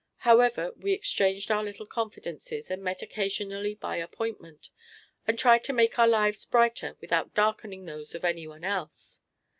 However, we exchanged our little confidences, and met occasionally by appointment, and tried to make our lives brighter without darkening those of any one else.